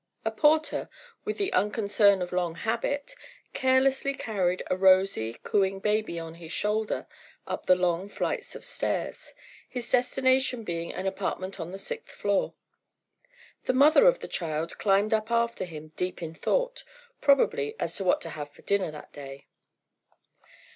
A porter, with the unconcern of long habit, carelessly carried a rosy, cooing baby on his shoulder up the long flights of stairs, his destination being an apartment on the sixth floor. The mother of the child climbed up after him deep in thought, probably as to what to have for dinner that day.